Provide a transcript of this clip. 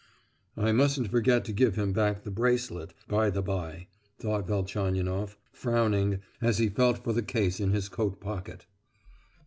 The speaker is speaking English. "I mustn't forget to give him back the bracelet, by the bye," thought Velchaninoff, frowning, as he felt for the case in his coat pocket.